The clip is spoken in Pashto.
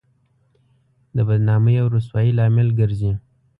د بدنامۍ او رسوایۍ لامل ګرځي.